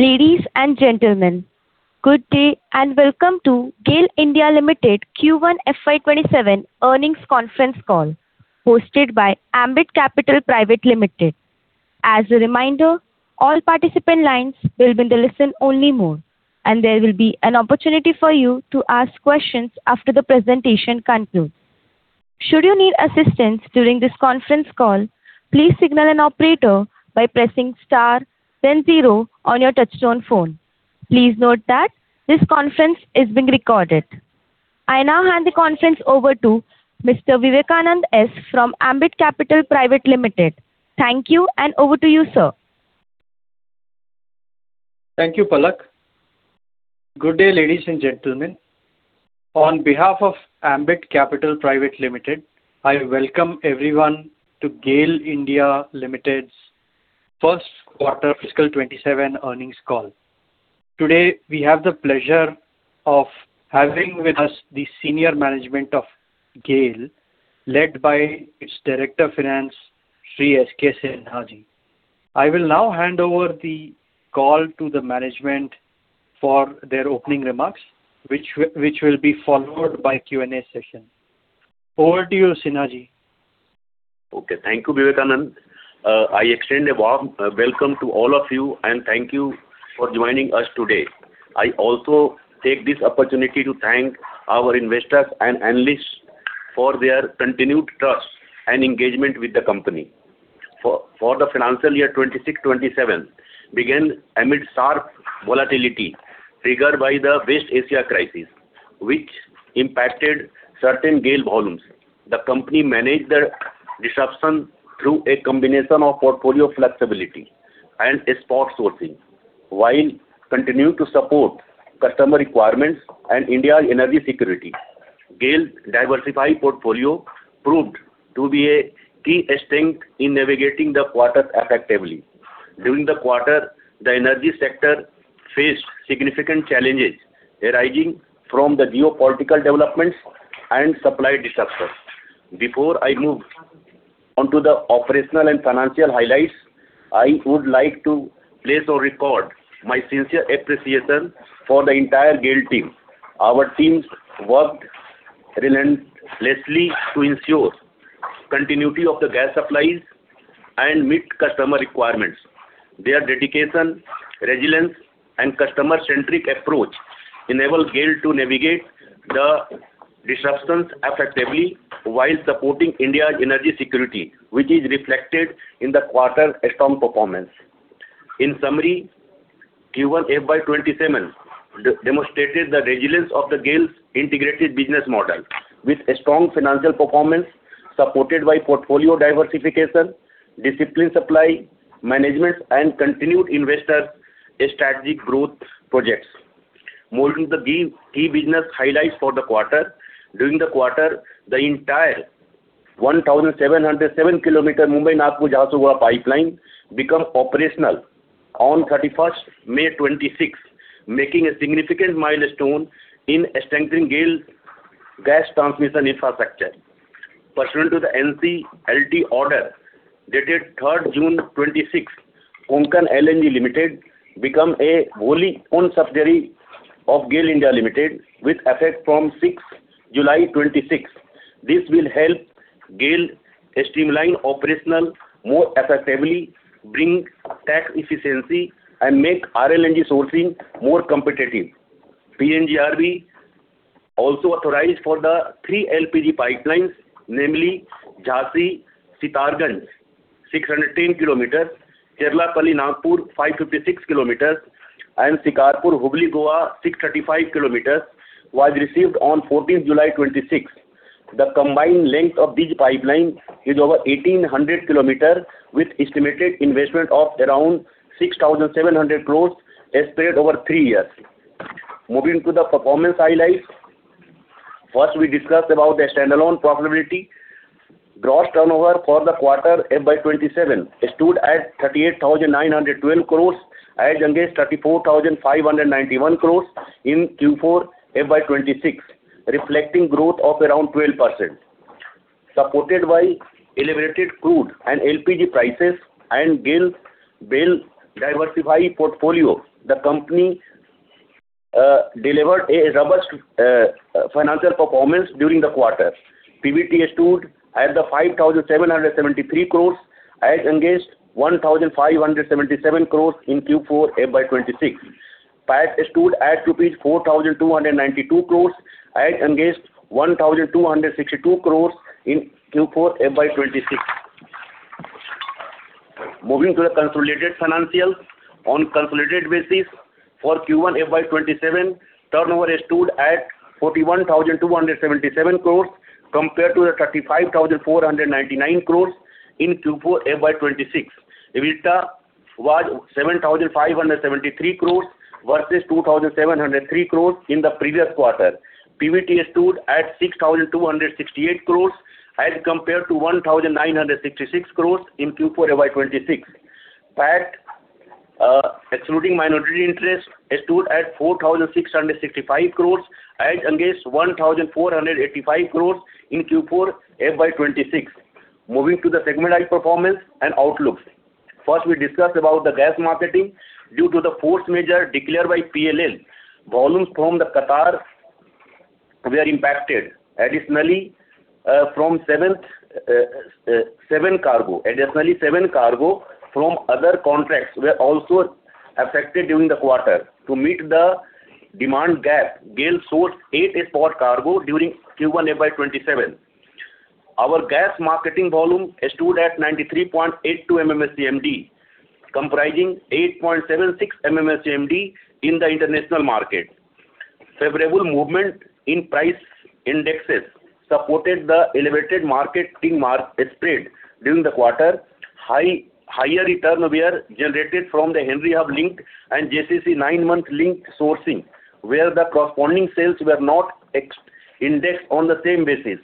Ladies and gentlemen, good day and welcome to GAIL India Limited Q1 FY 2027 earnings conference call hosted by Ambit Capital Private Limited. As a reminder, all participant lines will be in the listen-only mode, there will be an opportunity for you to ask questions after the presentation concludes. Should you need assistance during this conference call, please signal an operator by pressing star then zero on your touchtone phone. Please note that this conference is being recorded. I now hand the conference over to Mr. Vivekanand S. from Ambit Capital Private Limited. Thank you, over to you, sir. Thank you, Palak. Good day, ladies and gentlemen. On behalf of Ambit Capital Private Limited, I welcome everyone to GAIL India Limited's first quarter fiscal 2027 earnings call. Today, we have the pleasure of having with us the senior management of GAIL, led by its Director Finance, Shri S.K. Sinha. I will now hand over the call to the management for their opening remarks, which will be followed by Q&A session. Over to you, Sinha. Okay. Thank you, Vivekanand. I extend a warm welcome to all of you, thank you for joining us today. I also take this opportunity to thank our investors and analysts for their continued trust and engagement with the company. For the financial year 2026/2027 began amid sharp volatility triggered by the West Asia crisis, which impacted certain GAIL volumes. The company managed the disruption through a combination of portfolio flexibility and spot sourcing, while continuing to support customer requirements and India's energy security. GAIL diversify portfolio proved to be a key strength in navigating the quarter effectively. During the quarter, the energy sector faced significant challenges arising from the geopolitical developments and supply disruptions. Before I move on to the operational and financial highlights, I would like to place on record my sincere appreciation for the entire GAIL team. Our teams worked relentlessly to ensure continuity of the gas supplies and meet customer requirements. Their dedication, resilience, and customer-centric approach enabled GAIL to navigate the disruptions effectively while supporting India's energy security, which is reflected in the quarter's strong performance. In summary, Q1 FY 2027 demonstrated the resilience of the GAIL's integrated business model with a strong financial performance supported by portfolio diversification, disciplined supply management, and continued investor strategic growth projects. Moving to the key business highlights for the quarter. During the quarter, the entire 1,707-km Mumbai-Nagpur-Jharsuguda pipeline become operational on 31st May 2026, making a significant milestone in strengthening GAIL gas transmission infrastructure. Pursuant to the NCLT order dated 3rd June, 2026, Konkan LNG Limited become a wholly owned subsidiary of GAIL Limited with effect from 6th July, 2026. This will help GAIL streamline operational more effectively, bring tax efficiency, and make RLNG sourcing more competitive. PNGRB also authorized for the three LPG pipelines, namely Jhansi-Sitarganj 610-km, Kochi-Nagpur 556 km, and Sikarpur-Hubli-Goa 635 km, was received on 14th July, 2026. The combined length of these pipelines is over 1,800 km with estimated investment of around 6,700 crore spread over three years Moving to the performance highlights. First, we discussed about the standalone profitability. Gross turnover for the quarter FY 2027 stood at 38,912 crore as against 34,591 crore in Q4 FY 2026, reflecting growth of around 12%. Supported by elevated crude and LPG prices and GAIL's well-diversified portfolio, the company delivered a robust financial performance during the quarter. PBT stood at 5,773 crore as against 1,577 crore in Q4 FY 2026. PAT stood at rupees 4,292 crore as against 1,262 crore in Q4 FY 2026. Moving to the consolidated financials. On consolidated basis for Q1 FY 2027, turnover stood at 41,277 crore compared to 35,499 crore in Q4 FY 2026. EBITDA was 7,573 crore versus 2,703 crore in the previous quarter. PBT stood at 6,268 crore as compared to 1,966 crore in Q4 FY 2026. PAT excluding minority interest stood at 4,665 crore as against 1,485 crore in Q4 FY 2026. Moving to the segment-wise performance and outlook. First, we discuss about the gas marketing. Due to the force majeure declared by PLL, volumes from Qatar were impacted. Additionally, seven cargo from other contracts were also affected during the quarter. To meet the demand gap, GAIL sourced eight spot cargo during Q1 FY 2027. Our gas marketing volume stood at 93.82 MMSCMD, comprising 8.76 MMSCMD in the international market. Favorable movement in price indexes supported the elevated marketing spread during the quarter. Higher return were generated from the Henry Hub link and JCC nine-month link sourcing, where the corresponding sales were not indexed on the same basis.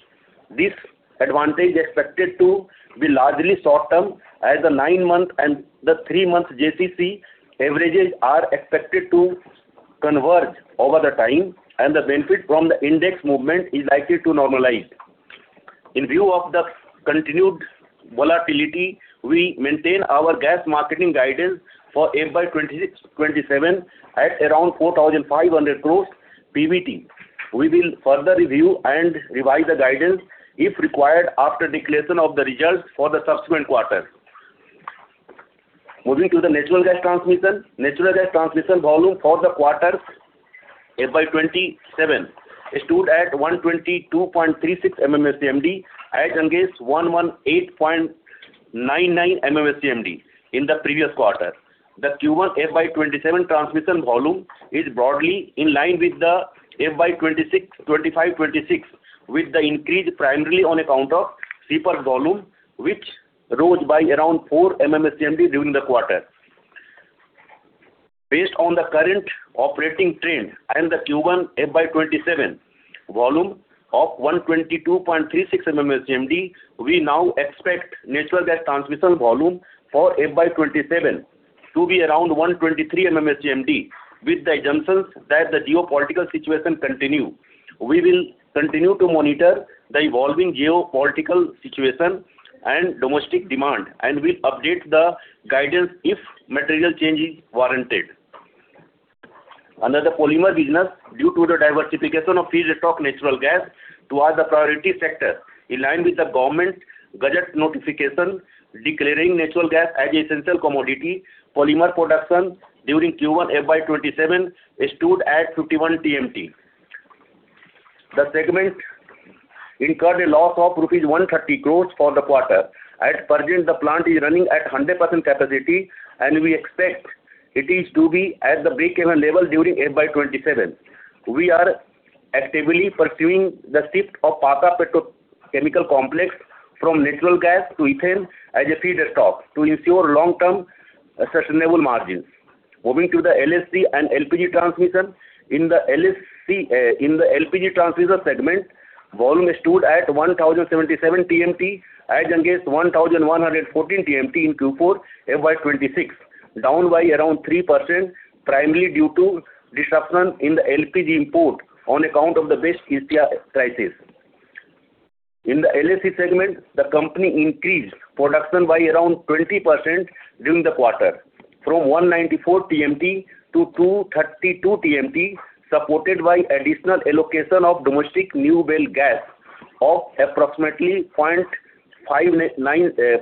This advantage is expected to be largely short-term, as the nine-month and the three-month JCC averages are expected to converge over the time, and the benefit from the index movement is likely to normalize. In view of the continued volatility, we maintain our gas marketing guidance for FY 2026/2027 at around 4,500 crore PBT. We will further review and revise the guidance if required after declaration of the results for the subsequent quarter. Moving to the natural gas transmission. Natural gas transmission volume for the quarter FY 2027 stood at 122.36 MMSCMD as against 118.99 MMSCMD in the previous quarter. The Q1 FY 2027 transmission volume is broadly in line with the FY 2025/2026, with the increase primarily on account of CPAL volume, which rose by around 4 MMSCMD during the quarter. Based on the current operating trend and the Q1 FY 2027 volume of 122.36 MMSCMD, we now expect natural gas transmission volume for FY 2027 to be around 123 MMSCMD with the assumption that the geopolitical situation continue. We will continue to monitor the evolving geopolitical situation and domestic demand, and we'll update the guidance if material change is warranted. Under the polymer business, due to the diversification of feedstock natural gas towards the priority sector, in line with the government gazette notification declaring natural gas as essential commodity, polymer production during Q1 FY 2027 stood at 51 TMT. The segment incurred a loss of rupees 130 crore for the quarter. As per this, the plant is running at 100% capacity, and we expect it is to be at the break-even level during FY 2027. We are actively pursuing the shift of Pata Petrochemical Complex from natural gas to ethane as a feedstock to ensure long-term sustainable margins. Moving to the LHC and LPG transmission. In the LPG transmission segment, volume stood at 1,077 TMT as against 1,114 TMT in Q4 FY 2026, down by around 3%, primarily due to disruption in the LPG import on account of the West Asia crisis. In the LHC segment, the company increased production by around 20% during the quarter, from 194 TMT to 232 TMT, supported by additional allocation of domestic new well gas of approximately 0.597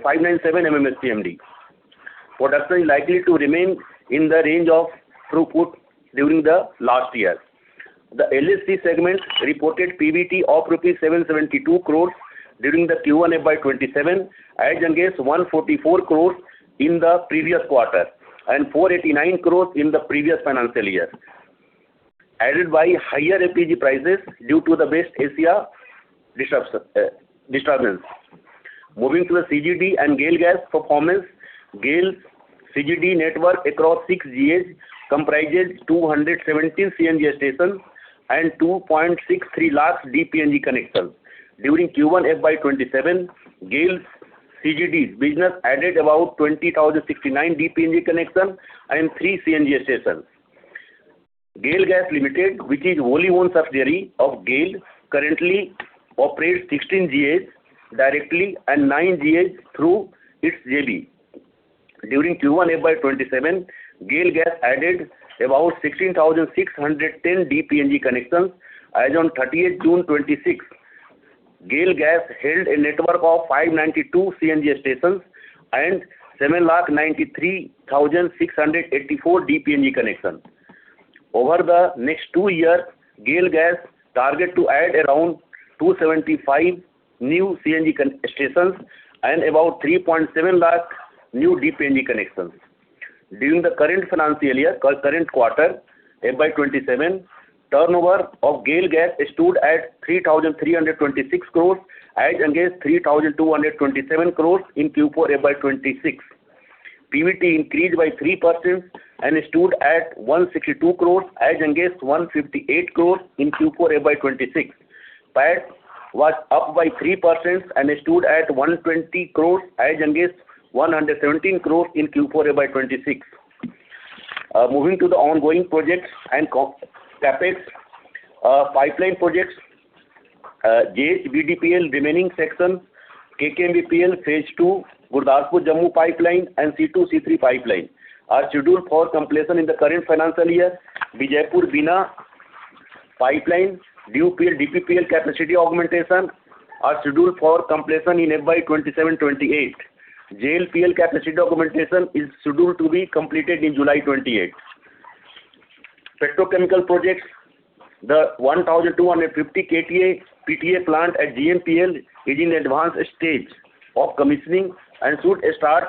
MMSCMD. Production is likely to remain in the range of throughput during the last year. The LHC segment reported PBT of INR 772 crore during the Q1 FY 2027, as against 144 crore in the previous quarter and 489 crore in the previous financial year, added by higher LPG prices due to the West Asia disturbance. Moving to the CGD and GAIL Gas performance. GAIL's CGD network across six GAs comprises 217 CNG stations and 2.63 lakh DPNG connections. During Q1 FY 2027, GAIL's CGD business added about 20,069 DPNG connections and three CNG stations. GAIL Gas Limited, which is a wholly-owned subsidiary of GAIL, currently operates 16 GAs directly and nine GAs through its JV. During Q1 FY 2027, GAIL Gas added about 16,610 DPNG connections. As on June 30th, 2026, GAIL Gas held a network of 592 CNG stations and 793,684 DPNG connections. Over the next two years, GAIL Gas target to add around 275 new CNG stations and about 3.7 lakh new DPNG connections. During the current financial year, current quarter FY 2027, turnover of GAIL Gas stood at 3,326 crore as against 3,227 crore in Q4 FY 2026. PBT increased by 3% and stood at 162 crore as against 158 crore in Q4 FY 2026. PAT was up by 3% and stood at 120 crore as against 117 crore in Q4 FY 2026. Moving to the ongoing projects and CapEx pipeline projects. JHBDPL remaining section, KKBMPL phase II, Gurdaspur-Jammu pipeline, and C2, C3 pipeline are scheduled for completion in the current financial year. Vijaipur-Bina pipeline, DBPL capacity augmentation, are scheduled for completion in FY 2027/2028. JLPL capacity augmentation is scheduled to be completed in July 2028. Petrochemical projects, the 1,250 KTA PTA plant at GNPL is in advanced stage of commissioning and should start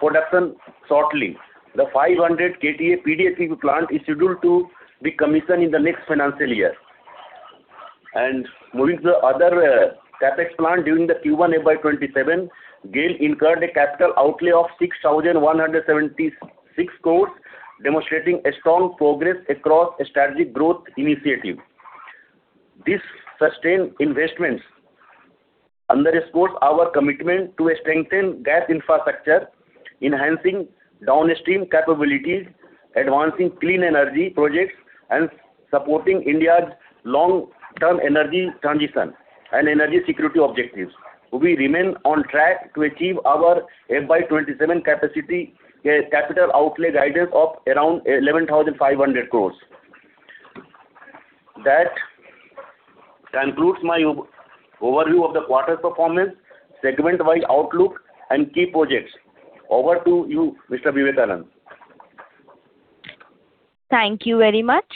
production shortly. The 500 KTA PDH plant is scheduled to be commissioned in the next financial year. Moving to the other CapEx plan, during the Q1 FY 2027, GAIL incurred a capital outlay of 6,176 crore, demonstrating a strong progress across strategic growth initiative. These sustained investments underscores our commitment to strengthen gas infrastructure, enhancing downstream capabilities, advancing clean energy projects, and supporting India's long-term energy transition and energy security objectives. We remain on track to achieve our FY 2027 capital outlay guidance of around 11,500 crore. That concludes my overview of the quarter performance, segment-wide outlook, and key projects. Over to you, Mr. Vivekanand. Thank you very much.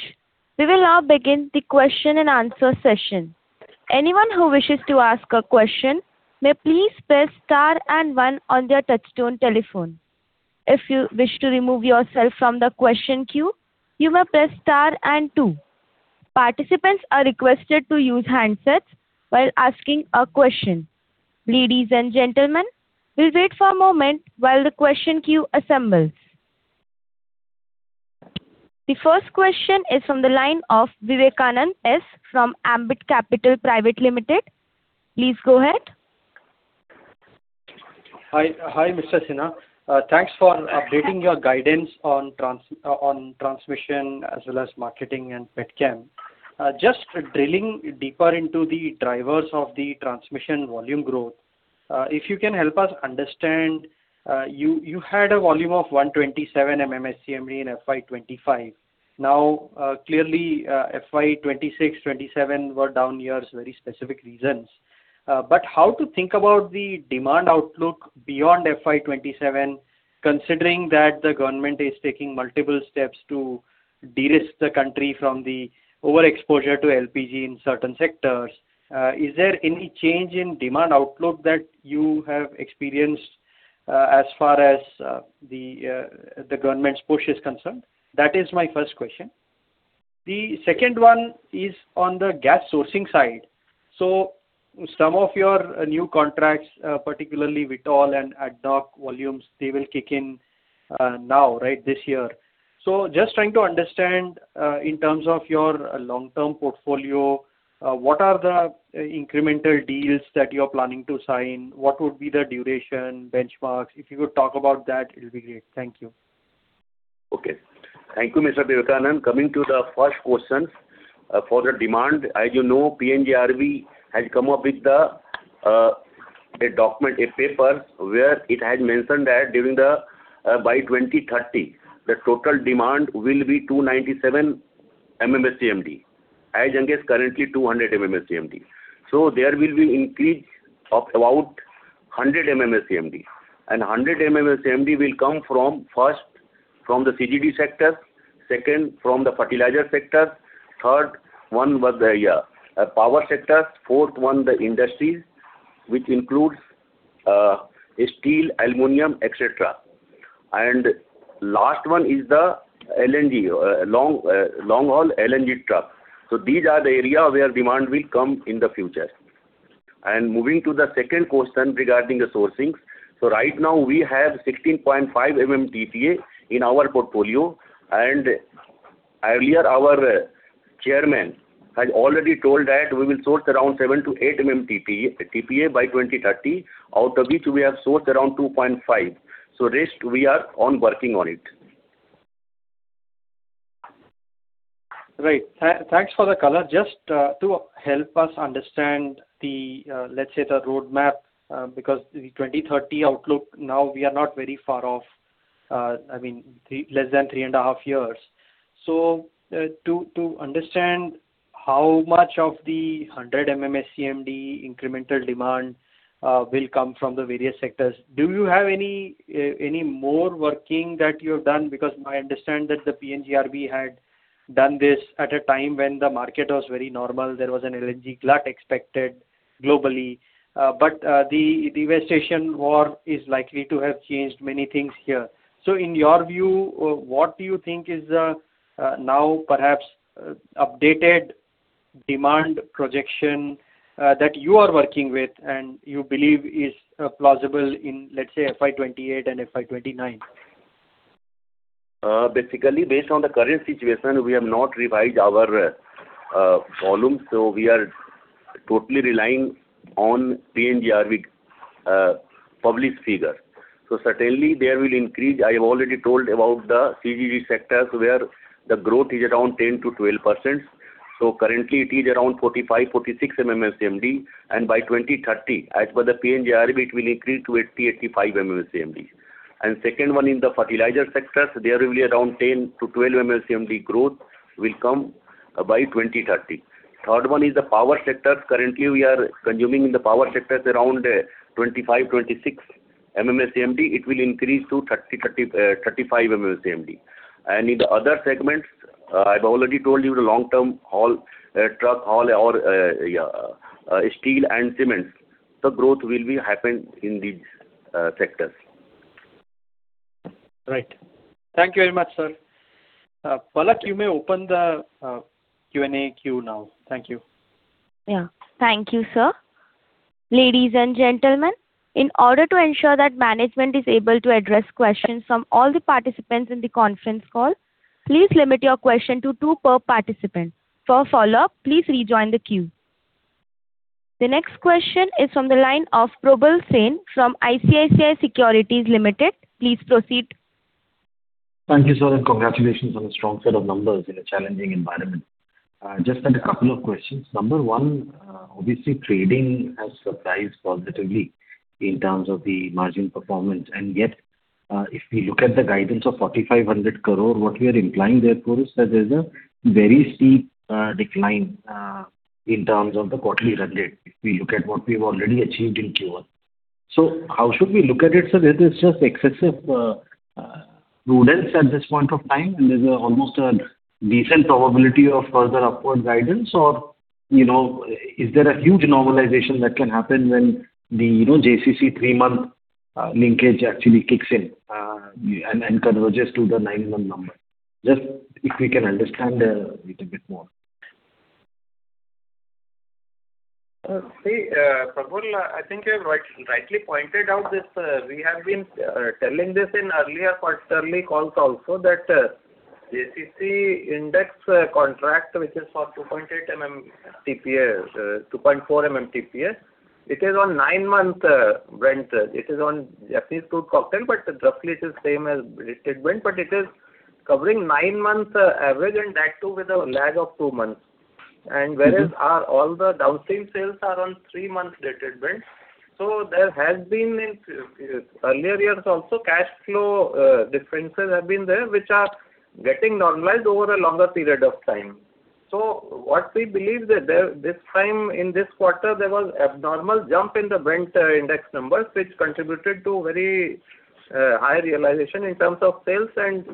We will now begin the question-and-answer session. Anyone who wishes to ask a question may please press star and one on their touchtone telephone. If you wish to remove yourself from the question queue, you may press star and two. Participants are requested to use handsets while asking a question. Ladies and gentlemen, we will wait for a moment while the question queue assembles. The first question is from the line of Vivekanand S. from Ambit Capital Private Limited. Please go ahead. Hi, Mr. Sinha. Thanks for updating your guidance on transmission as well as marketing and Petchem. Just drilling deeper into the drivers of the transmission volume growth, if you can help us understand, you had a volume of 127 MMSCMD in FY 2025. Now, clearly, FY 2026, 2027 were down years, very specific reasons. How to think about the demand outlook beyond FY 2027, considering that the government is taking multiple steps to de-risk the country from the overexposure to LPG in certain sectors. Is there any change in demand outlook that you have experienced as far as the government's push is concerned? That is my first question. The second one is on the gas sourcing side. Some of your new contracts, particularly Vitol and ad hoc volumes, they will kick in now, this year. Just trying to understand, in terms of your long-term portfolio, what are the incremental deals that you are planning to sign? What would be the duration, benchmarks? If you could talk about that, it will be great. Thank you. Okay. Thank you, Mr. Vivekanand. Coming to the first question for the demand. As you know, PNGRB has come up with a document, a paper, where it has mentioned that by 2030, the total demand will be 297 MMSCMD, as against currently 200 MMSCMD. There will be increase of about 100 MMSCMD. 100 MMSCMD will come first, from the CGD sector, second from the fertilizer sector, third one was the power sector, fourth one the industries, which includes steel, aluminum, etc. Last one is the long-haul LNG truck. These are the area where demand will come in the future. Moving to the second question regarding the sourcings. Right now we have 16.5 MMTPA in our portfolio, and earlier our chairman has already told that we will source around 7-8 MMTPA by 2030, out of which we have sourced around 2.5 MMTPA. Rest, we are on working on it. Right. Thanks for the color. Just to help us understand the, let's say, the roadmap, because the 2030 outlook now we are not very far off. I mean, less than three and a half years. To understand how much of the 100 MMSCMD incremental demand will come from the various sectors, do you have any more working that you have done? My understanding that the PNGRB had done this at a time when the market was very normal. There was an LNG glut expected globally. The devastation war is likely to have changed many things here. In your view, what do you think is now perhaps updated demand projection, that you are working with and you believe is plausible in, let's say, FY 2028 and FY 2029? Basically, based on the current situation, we have not revised our volume. We are totally relying on PNGRB published figures. Certainly they will increase. I have already told about the CGD sectors, where the growth is around 10%-12%. Currently it is around 45 MMSCMD, 46 MMSCMD. By 2030, as per the PNGRB, it will increase to 80 MMSCMD, 85 MMSCMD. Second one in the fertilizer sectors, there will be around 10 MMSCMD-12 MMSCMD growth will come by 2030. Third one is the power sectors. Currently, we are consuming in the power sectors around 25 MMSCMD, 26 MMSCMD. It will increase to 35 MMSCMD. In the other segments, I've already told you the long-term truck haul or steel and cement. Growth will be happened in these sectors. Right. Thank you very much, sir. Palak, you may open the Q&A queue now. Thank you. Yeah. Thank you, sir. Ladies and gentlemen, in order to ensure that management is able to address questions from all the participants in the conference call, please limit your question to two per participant. For follow-up, please rejoin the queue. The next question is from the line of Probal Sen from ICICI Securities Limited. Please proceed. Thank you, sir. Congratulations on the strong set of numbers in a challenging environment. Just had a couple of questions. Number one, obviously trading has surprised positively in terms of the margin performance, yet if we look at the guidance of 4,500 crore, what we are implying therefore is that there is a very steep decline in terms of the quarterly run rate, if we look at what we have already achieved in Q1. How should we look at it, sir? Is this just excessive prudence at this point of time, and there is almost a decent probability of further upward guidance, or is there a huge normalization that can happen when the JCC three-month linkage actually kicks in and converges to the nine-month number? Just if we can understand a little bit more. See, Probal, I think you have rightly pointed out this. We have been telling this in earlier quarterly calls also that JCC index contract, which is for 2.8 MMTPA, 2.4 MMTPA, it is on nine-month Brent. It is on Japanese crude cocktail, but roughly it is same as dated Brent, but it is covering nine months average and that too with a lag of two months. Whereas all the downstream sales are on three-month dated Brent. There has been in earlier years also, cash flow differences have been there, which are getting normalized over a longer period of time. What we believe that this time in this quarter, there was abnormal jump in the Brent index numbers, which contributed to very high realization in terms of sales, and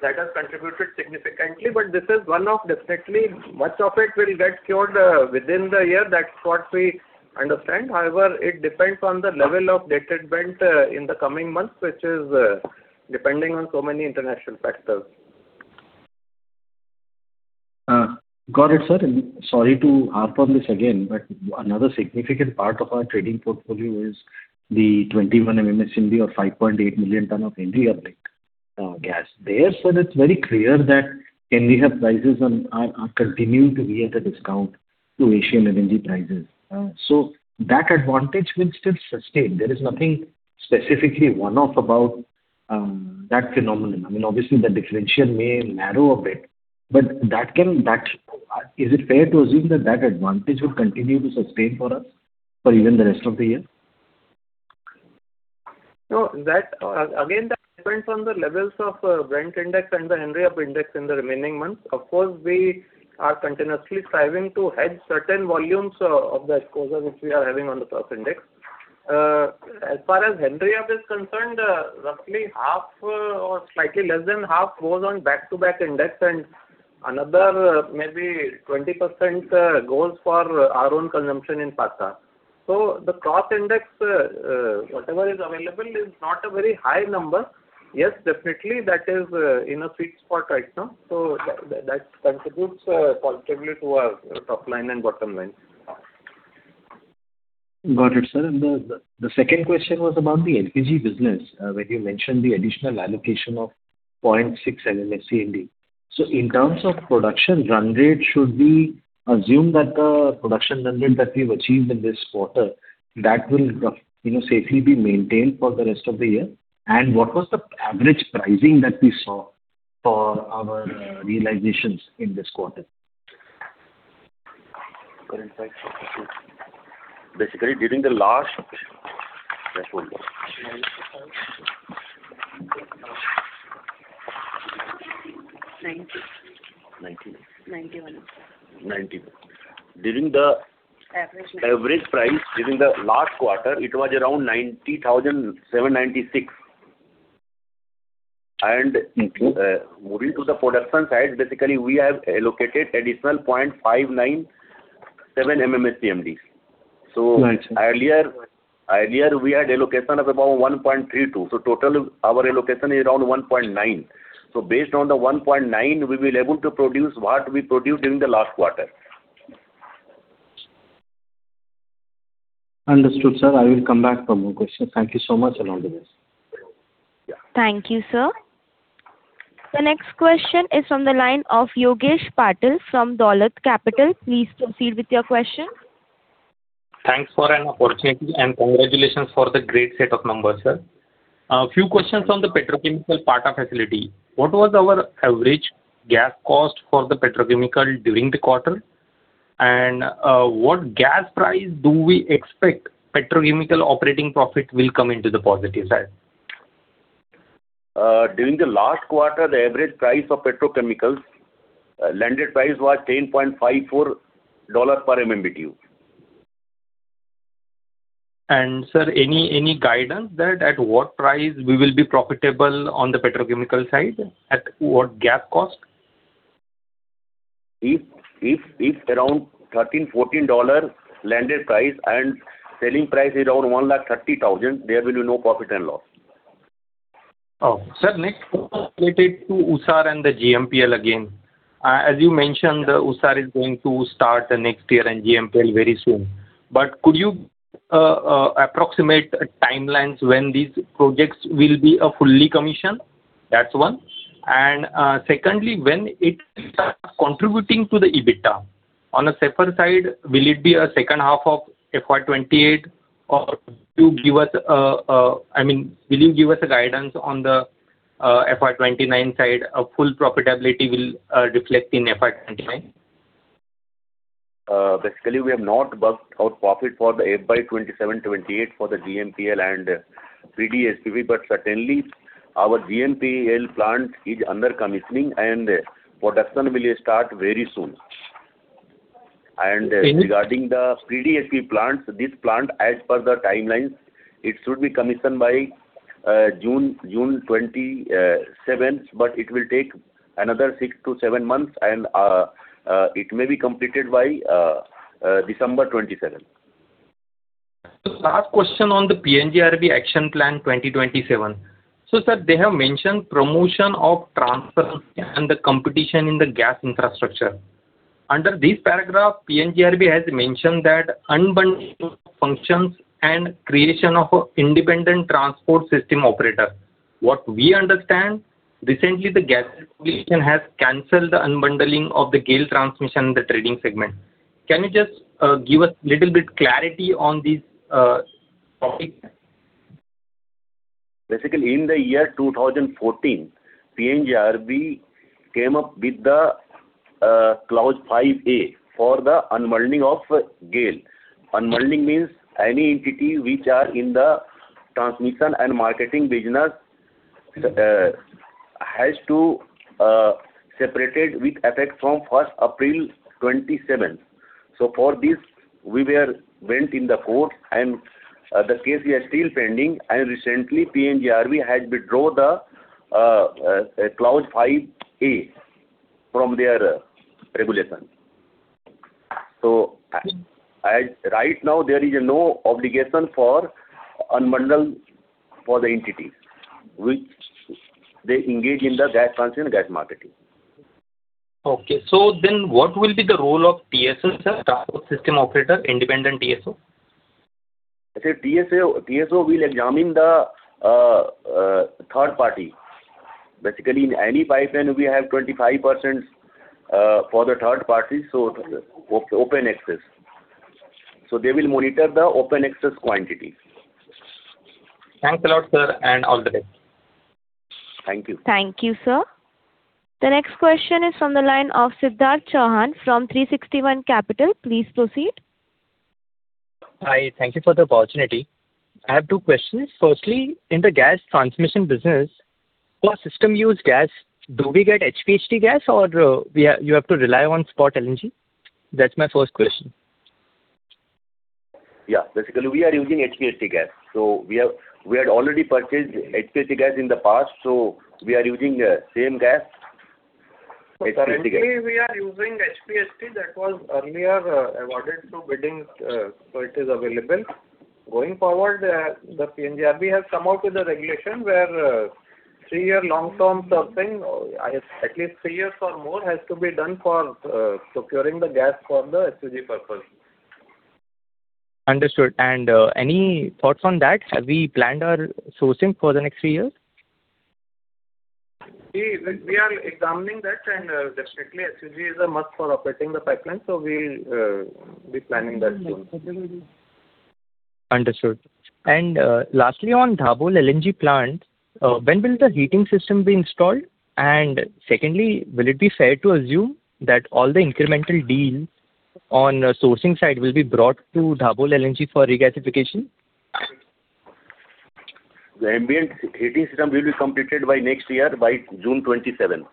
that has contributed significantly. This is one-off, definitely. Much of it will get cured within the year. That's what we understand. However, it depends on the level of dated Brent in the coming months, which is depending on so many international factors. Got it, sir. Sorry to harp on this again, another significant part of our trading portfolio is the 21 MMSCMD or 5.8 million ton of Henry Hub-linked gas. There, sir, it's very clear that Henry Hub prices are continuing to be at a discount to Asian LNG prices. That advantage will still sustain. There is nothing specifically one-off about that phenomenon. Obviously, the differential may narrow a bit, is it fair to assume that that advantage would continue to sustain for us for even the rest of the year? No. Again, that depends on the levels of Brent index and the Henry Hub index in the remaining months. Of course, we are continuously striving to hedge certain volumes of the exposure which we are having on the cross index. As far as Henry Hub is concerned, roughly half or slightly less than half goes on back-to-back index, and another maybe 20% goes for our own consumption in Pata. The cross index, whatever is available, is not a very high number. Yes, definitely, that is in a sweet spot right now. That contributes positively to our top line and bottom line. Got it, sir. The second question was about the LPG business, where you mentioned the additional allocation of 0.6 MMSCMD. In terms of production run rate, should we assume that the production run rate that we've achieved in this quarter, that will safely be maintained for the rest of the year? What was the average pricing that we saw for our realizations in this quarter? During the last thereshold. Thereshold. [inaudible] Thank you. 90. 91. 90. Average price during the last quarter, it was around 90,796. Moving to the production side, we have allocated additional 0.597 MMSCMD. Earlier, we had allocation of about 1.32. Total, our allocation is around 1.9. Based on the 1.9, we will able to produce what we produced during the last quarter. Understood, sir. I will come back for more questions. Thank you so much, and all the best. Thank you, sir. The next question is from the line of Yogesh Patil from Dolat Capital. Please proceed with your question. Thanks for an opportunity, congratulations for the great set of numbers, sir. A few questions from the petrochemical Pata facility. What was our average gas cost for the petrochemical during the quarter? What gas price do we expect petrochemical operating profit will come into the positive side? During the last quarter, the average price of petrochemicals landed price was $10.54 per MMBtu. Sir, any guidance that at what price we will be profitable on the petrochemical side? At what gas cost? If around $13, $14 landed price and selling price is around 1,30,000, there will be no profit and loss. Okay. Sir, next related to Usar and the GMPL again. As you mentioned, Usar is going to start the next year and GMPL very soon. Could you approximate timelines when these projects will be a fully commission? That's one. Secondly, when it starts contributing to the EBITDA. On a safer side, will it be a second half of FY 2028 or could you give us a guidance on the FY 2029 side, a full profitability will reflect in FY 2029? We have not worked out profit for the FY 2027, 2028 for the GMPL and 3D SPV, but certainly our GMPL plant is under commissioning and production will start very soon. Regarding the 3D SPV plant, this plant, as per the timelines, it should be commissioned by June 2027, but it will take another six to seven months, and it may be completed by December 2027. Last question on the PNGRB Action Plan 2027. Sir, they have mentioned promotion of transparency and the competition in the gas infrastructure. Under this paragraph, PNGRB has mentioned that unbundling of functions and creation of independent transport system operator. What we understand, recently the gas regulation has canceled the unbundling of the GAIL transmission in the trading segment. Can you just give us a little bit clarity on this topic? Basically, in the year 2014, PNGRB came up with the Clause 5A for the unbundling of GAIL. Unbundling means any entity which are in the transmission and marketing business has to separate it with effect from first April 2027. For this, we went in the court, and the case is still pending, and recently PNGRB has withdraw the Clause 5A from their regulation. Right now there is no obligation for unbundle for the entity, which they engage in the gas transmission and gas marketing. Okay. Then what will be the role of TSO, sir? Transport System Operator, independent TSO. TSO will examine the third party. Basically, in any pipeline, we have 25% for the third party, so open access. They will monitor the open access quantity. Thanks a lot, sir, and all the best. Thank you. Thank you, sir. The next question is from the line of Siddharth Chauhan from 360 ONE Capital. Please proceed. Hi. Thank you for the opportunity. I have two questions. Firstly, in the gas transmission business, for system use gas, do we get HPHT gas or you have to rely on spot LNG? That is my first question. Yeah. Basically, we are using HPHT gas. We had already purchased HPHT gas in the past, so we are using the same gas. Currently, we are using HPHT that was earlier awarded to bidding. It is available. Going forward, the PNGRB has come out with a regulation where three-year long-term sourcing, at least three years or more, has to be done for procuring the gas for the HTG purpose. Understood. Any thoughts on that? Have we planned our sourcing for the next three years? We are examining that, and definitely HTG is a must for operating the pipeline, so we'll be planning that soon. Understood. Lastly on Dabhol LNG plant, when will the heating system be installed? Secondly, will it be fair to assume that all the incremental deals on sourcing side will be brought to Dabhol LNG for regasification? The ambient heating system will be completed by next year, by June 27.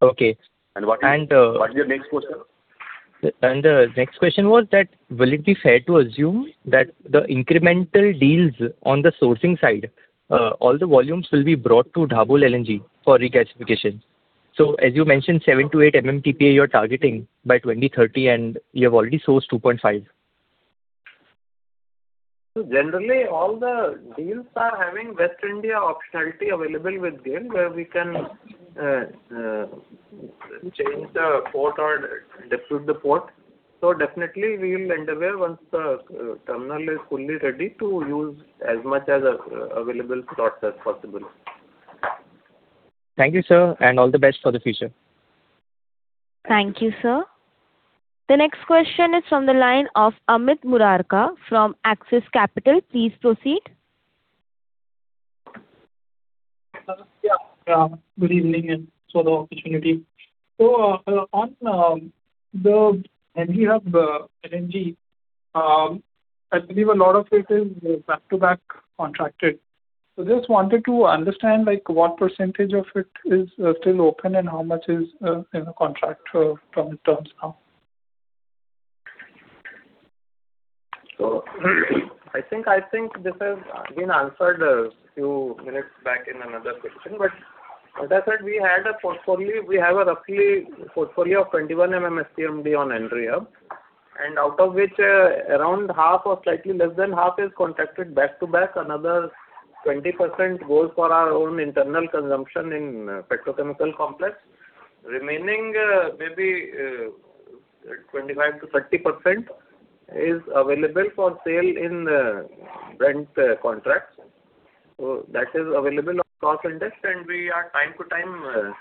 Okay. What is your next question? The next question was that will it be fair to assume that the incremental deals on the sourcing side, all the volumes will be brought to Dabhol LNG for regasification. As you mentioned, 7MMTPA-8 MMTPA you're targeting by 2030, and you have already sourced 2.5 MMTPA. Generally, all the deals are having West India optionality available with GAIL where we can change the port or dispute the port. Definitely, we will endeavor once the terminal is fully ready to use as much as available slots as possible. Thank you, sir, and all the best for the future. Thank you, sir. The next question is from the line of Amit Murarka from Axis Capital. Please proceed. Good evening and for the opportunity. On the Henry Hub LNG, I believe a lot of it is back-to-back contracted. Just wanted to understand what percentage of it is still open and how much is in the contract terms now. I think this has been answered a few minutes back in another question. As I said, we have a roughly portfolio of 21 MMSCMD on Henry Hub, and out of which around half or slightly less than half is contracted back to back. Another 20% goes for our own internal consumption in petrochemical complex. Remaining maybe 25%-30% is available for sale in Brent contracts. That is available across index, and we are time to time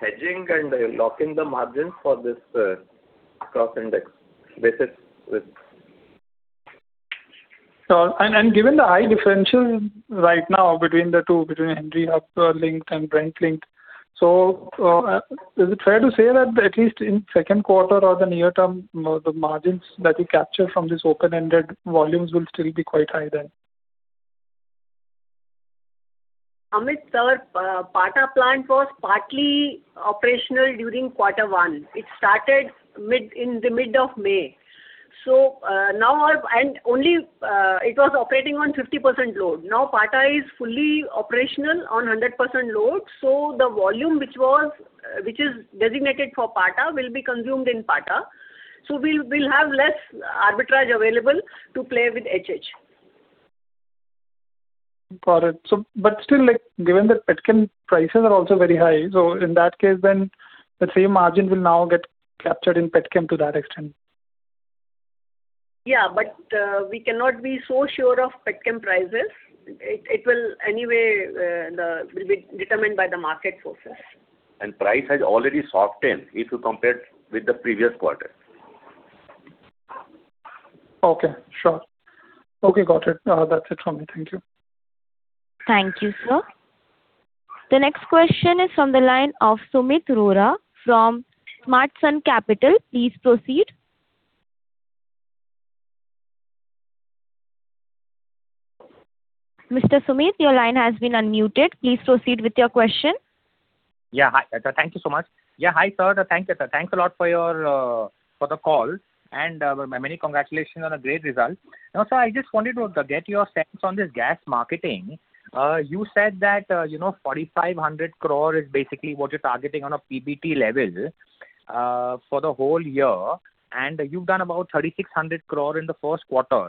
hedging and locking the margins for this cross index basis with. Given the high differential right now between the two, between Henry Hub linked and Brent linked, is it fair to say that at least in second quarter or the near term, the margins that you capture from this open-ended volumes will still be quite high then? Amit, our Pata Plant was partly operational during Q1. It started in the middle of May. It was operating on 50% load. Now, Pata is fully operational on 100% load, so the volume which is designated for Pata will be consumed in Pata. We'll have less arbitrage available to play with Henry Hub. Got it. Still, given that petchem prices are also very high, in that case the same margin will now get captured in petchem to that extent. Yeah, we cannot be so sure of petchem prices. It will anyway be determined by the market forces. Price has already softened if you compare with the previous quarter. Okay, sure. Okay, got it. That's it from me. Thank you. Thank you, sir. The next question is from the line of Sumeet Rohra from Smartsun Capital. Please proceed. Mr. Sumeet, your line has been unmuted. Please proceed with your question. Thank you so much. Hi, sir. Thanks a lot for the call, and many congratulations on a great result. Sir, I just wanted to get your sense on this gas marketing. You said that 4,500 crore is basically what you're targeting on a PBT level for the whole year, and you've done about 3,600 crore in the first quarter.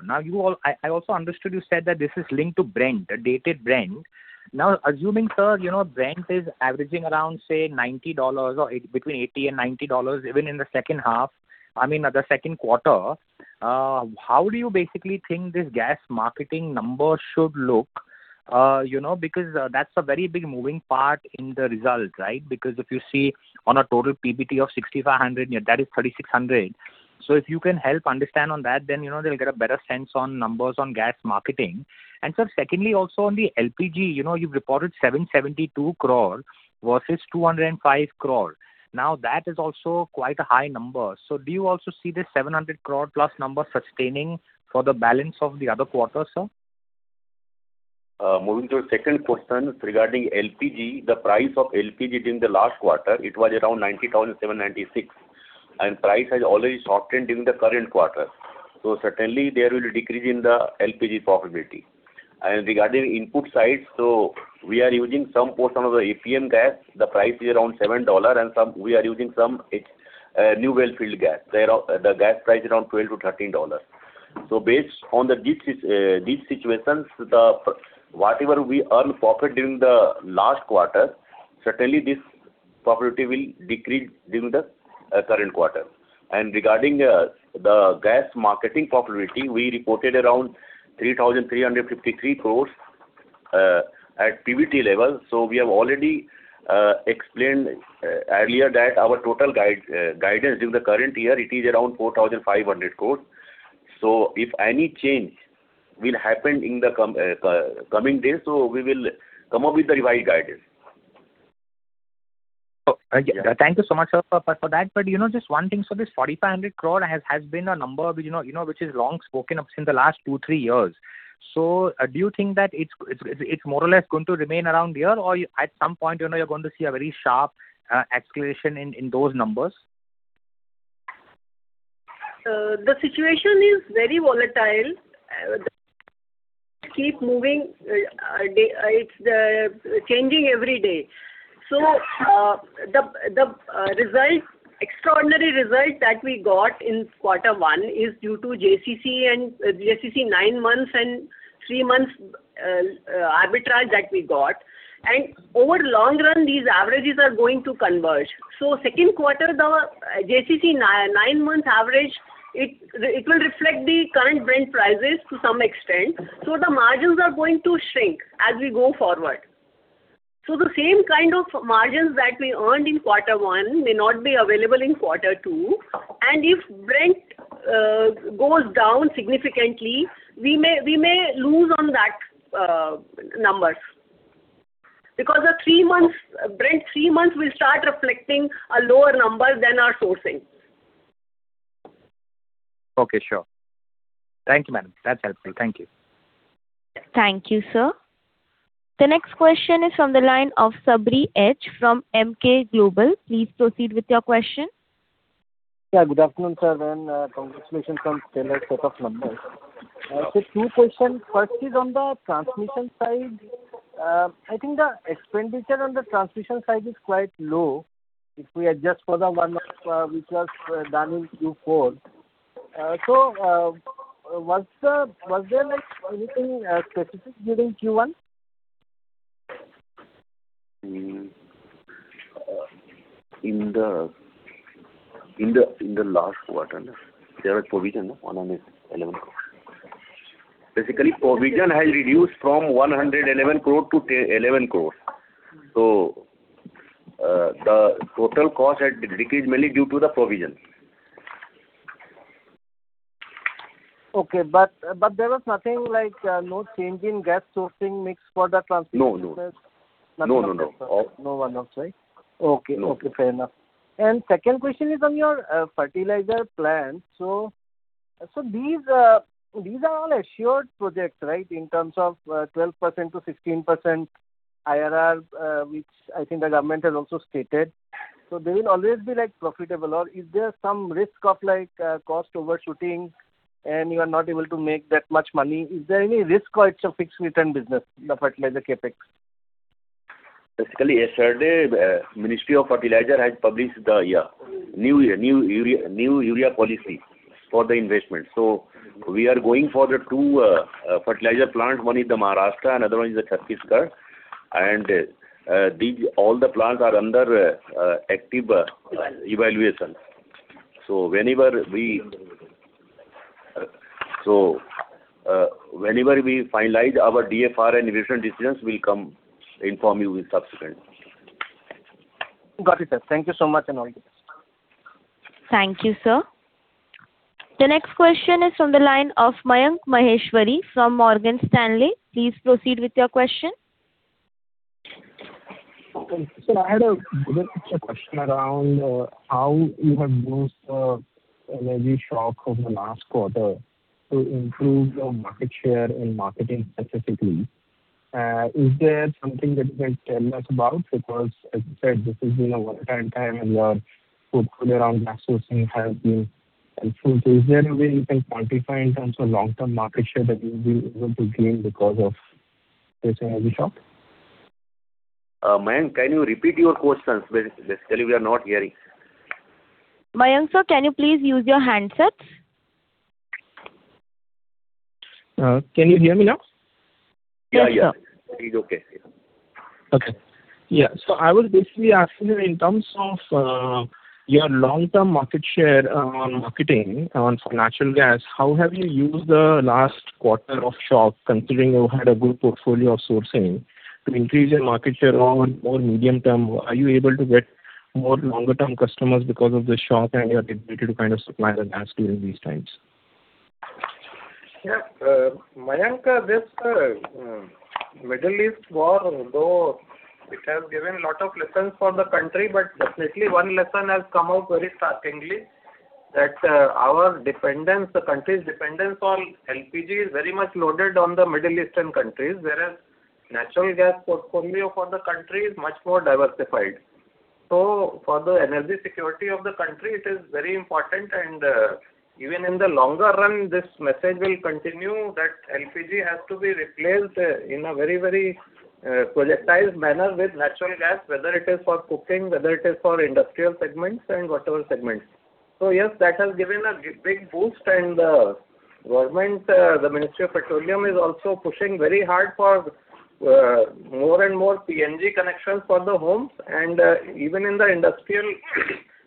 I also understood you said that this is linked to Brent, a dated Brent. Assuming, sir, Brent is averaging around, say, $90 or between $80 and $90, even in the second half, I mean, the second quarter, how do you basically think this gas marketing number should look because that's a very big moving part in the results, right? Because if you see on a total PBT of 6,500, that is 3,600. If you can help understand on that, then they'll get a better sense on numbers on gas marketing. Sir, secondly, also on the LPG, you've reported 772 crore versus 205 crore. Now that is also quite a high number. Do you also see this 700 crore plus number sustaining for the balance of the other quarters, sir? Moving to the second question regarding LPG. The price of LPG during the last quarter, it was around 90,796, and price has already softened during the current quarter. Certainly, there will be decrease in the LPG profitability. Regarding input side, we are using some portion of the APM gas. The price is around $7, and we are using some new wellfield gas. The gas price is around $12-$13. Based on these situations, whatever we earn profit during the last quarter, certainly this profitability will decrease during the current quarter. Regarding the gas marketing profitability, we reported around 3,353 crore at PBT level. We have already explained earlier that our total guidance during the current year, it is around 4,500 crore. If any change will happen in the coming days, we will come up with the revised guidance. Thank you so much, sir, for that. Just one thing, this 4,500 crore has been a number which is long spoken of since the last two, three years. Do you think that it's more or less going to remain around here? At some point, you're going to see a very sharp escalation in those numbers? The situation is very volatile. Keep moving. It's changing every day. The extraordinary result that we got in quarter one is due to JCC nine months and three months arbitrage that we got. Over long run, these averages are going to converge. Second quarter, the JCC nine-month average, it will reflect the current Brent prices to some extent, the margins are going to shrink as we go forward. The same kind of margins that we earned in quarter one may not be available in quarter two. If Brent goes down significantly, we may lose on that numbers because Brent three months will start reflecting a lower number than our sourcing. Okay, sure. Thank you, madam. That's helpful. Thank you. Thank you, sir. The next question is from the line of Sabari H. from Emkay Global. Please proceed with your question. Yeah, good afternoon, sir, and congratulations on set of numbers. I have two questions. First is on the transmission side. I think the expenditure on the transmission side is quite low if we adjust for the one which was done in Q4. Was there anything specific during Q1? In the last quarter, there was provision, 111 crore. Basically, provision has reduced from 111 crore to 11 crore. The total cost had decreased mainly due to the provision. Okay, there was nothing like no change in gas sourcing mix for the transmission? No. Nothing like that. No. No one-off, right? Okay. No. Okay, fair enough. Second question is on your fertilizer plant. These are all assured projects, right? In terms of 12%-16% IRR, which I think the government has also stated. They will always be profitable, or is there some risk of cost overshooting, and you are not able to make that much money? Is there any risk, or it's a fixed return business, the fertilizer CapEx? Basically, yesterday, Ministry of Fertilizer has published the new urea policy for the investment. We are going for the two fertilizer plant, one in the Maharashtra, another one in the Chhattisgarh. All the plants are under active evaluation. Whenever we finalize our DFR and investment decisions, we'll come inform you with subsequent. Got it, sir. Thank you so much. All the best. Thank you, sir. The next question is from the line of Mayank Maheshwari from Morgan Stanley. Please proceed with your question. Sir, I had a basic question around how you have used the energy shock from the last quarter to improve your market share in marketing specifically. Is there something that you can tell us about? As you said, this has been a one-time and your portfolio around gas sourcing has been helpful. Is there a way you can quantify in terms of long-term market share that you'll be able to gain because of this energy shock? Mayank, can you repeat your question, please? We are not hearing. Mayank, sir, can you please use your handsets? Can you hear me now? Yeah. It is okay. Okay. Yeah. I was basically asking you in terms of your long-term market share on marketing for natural gas, how have you used the last quarter of shock, considering you had a good portfolio of sourcing to increase your market share on more medium-term? Are you able to get more longer-term customers because of the shock and your ability to supply the gas during these times? Yeah. Mayank, this Middle East war, though it has given lot of lessons for the country, but definitely one lesson has come out very shockingly, that the country's dependence on LPG is very much loaded on the Middle Eastern countries, whereas natural gas portfolio for the country is much more diversified. For the energy security of the country, it is very important, and even in the longer run, this message will continue that LPG has to be replaced in a very projectile manner with natural gas, whether it is for cooking, whether it is for industrial segments and whatever segments. Yes, that has given a big boost and the Ministry of Petroleum is also pushing very hard for more and more PNG connections for the homes, and even in the industrial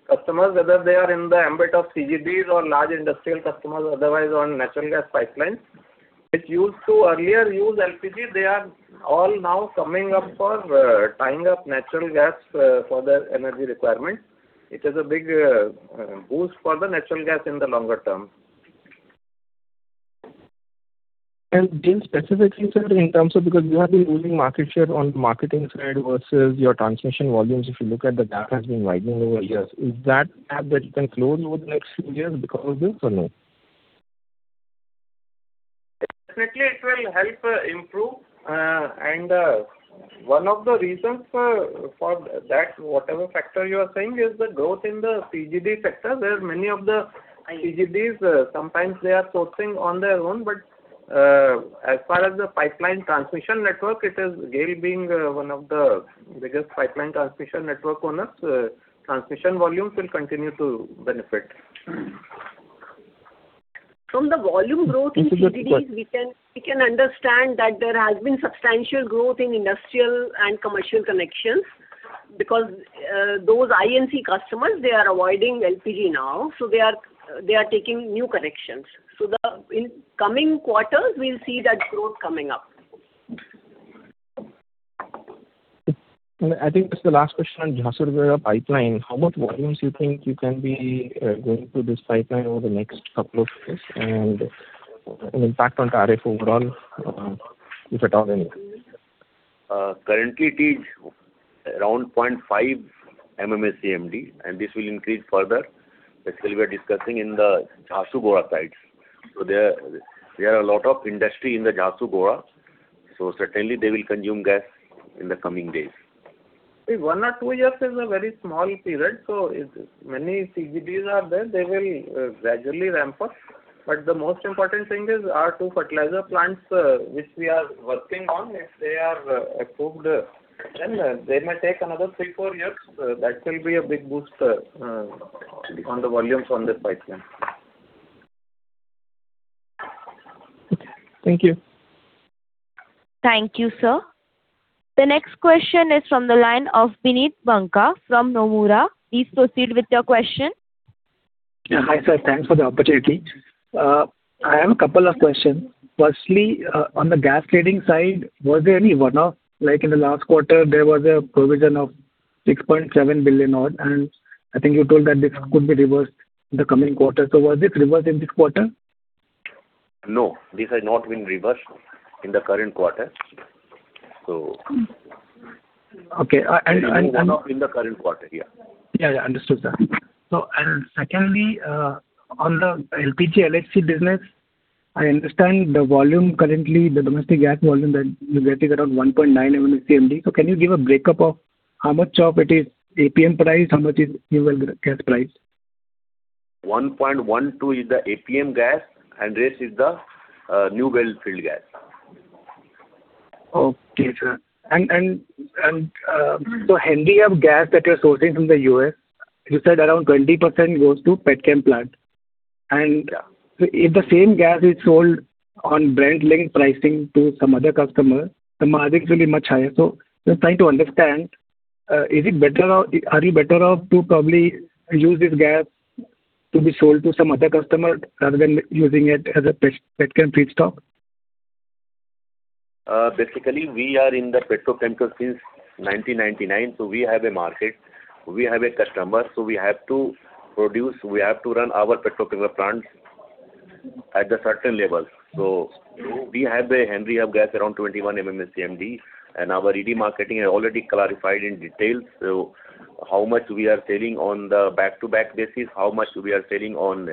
customers, whether they are in the ambit of CGDs or large industrial customers, otherwise on natural gas pipelines, which earlier used LPG, they are all now coming up for tying up natural gas for their energy requirements. It is a big boost for the natural gas in the longer term. GAIL specifically, sir, in terms of, because you have been losing market share on marketing side versus your transmission volumes. If you look at, the gap has been widening over years. Is that a gap that you can close over the next few years because of this or no? Definitely it will help improve. One of the reasons for that, whatever factor you are saying, is the growth in the CGD sector, where many of the CGDs, sometimes they are sourcing on their own, but as far as the pipeline transmission network, GAIL being one of the biggest pipeline transmission network owners, transmission volumes will continue to benefit. From the volume growth in CGDs, we can understand that there has been substantial growth in industrial and commercial connections because those I&C customers, they are avoiding LPG now. They are taking new connections. In the coming quarters, we'll see that growth coming up. I think this is the last question on Jharsuguda pipeline. How much volumes you think you can be going through this pipeline over the next couple of years, and impact on tariff overall, if at all any? Currently, it is around 0.5 MMSCMD, this will increase further. That will be discussing in the Jharsuguda sides. There are a lot of industry in the Jharsuguda, so certainly they will consume gas in the coming days. One or two years is a very small period, many CGDs are there, they will gradually ramp up. The most important thing is our two fertilizer plants, which we are working on. If they are approved, then they may take another three, four years. That will be a big boost on the volumes on this pipeline. Okay. Thank you. Thank you, sir. The next question is from the line of Bineet Banka from Nomura. Please proceed with your question. Hi, sir. Thanks for the opportunity. I have a couple of questions. Firstly, on the gas trading side, was there any one-off? Like in the last quarter, there was a provision of 6.7 billion, and I think you told that this could be reversed in the coming quarter. Was it reversed in this quarter? No, this has not been reversed in the current quarter. Okay. There is no one-off in the current quarter, yeah. Yeah. Understood, sir. Secondly, on the LPG, LHC business, I understand the volume currently, the domestic gas volume that you're getting around 1.9 MMSCMD. Can you give a breakup of how much of it is APM price, how much is new well gas price? 1.12 MMSCMD is the APM gas, Rest is the new wellfield gas. Okay, sir. Henry Hub gas that you're sourcing from the U.S., you said around 20% goes to petchem plant. If the same gas is sold on Brent-linked pricing to some other customer, the margins will be much higher. Just trying to understand, are you better off to probably use this gas to be sold to some other customer rather than using it as a petchem feedstock? Basically, we are in the petrochemicals since 1999, so we have a market. We have a customer, so we have to produce, we have to run our petrochemical plants at a certain level. We have a Henry Hub gas around 21 MMSCMD, and our ED Marketing has already clarified in detail how much we are selling on the back-to-back basis, how much we are selling on